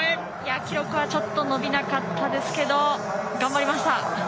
記録はちょっと伸びなかったですけど頑張りました！